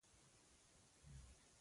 چې د هارون په څېر عادل خلیفه لرئ.